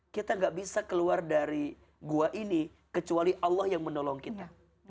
kita gak bisa keluar dari gua ini kecuali allah yang menolong kita